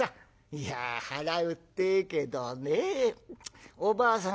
いや払うってえけどねおばあさん